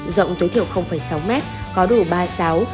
rộng tối thiểu sáu m có đủ ba xáo